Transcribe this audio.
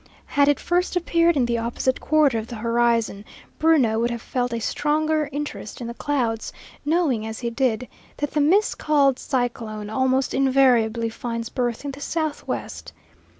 Had it first appeared in the opposite quarter of the horizon, Bruno would have felt a stronger interest in the clouds, knowing as he did that the miscalled "cyclone" almost invariably finds birth in the southwest.